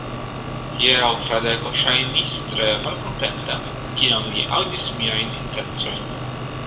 Hieraŭ Fradeko ŝajnis tre malkontenta, kiam li aŭdis miajn intencojn.